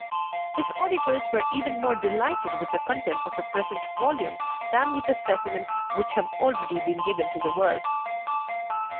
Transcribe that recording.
His auditors were even more delighted with the contents of the present volume than with the specimens which have already been given to the world.